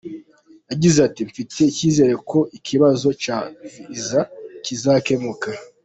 Yagize ati “Mfite icyizere ko ikibazo cya viza kizakemuka.